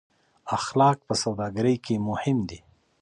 اخلاق په سوداګرۍ کې مهم دي.